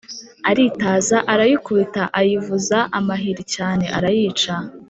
Aritaza, arayikubita, ayivuza amahiri cyane, arayica